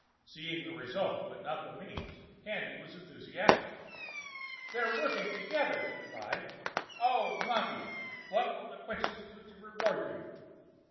Seeing the result, but not the means, Candy was enthusiastic. "They're working together!" she cried. "Oh, Monty, what will the Quxas do to reward you?"